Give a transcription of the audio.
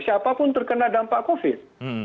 siapapun terkena dampak covid